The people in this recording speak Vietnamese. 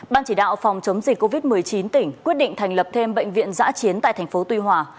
ban chỉ đạo phòng chống dịch covid một mươi chín tỉnh quyết định thành lập thêm bệnh viện giã chiến tại thành phố tuy hòa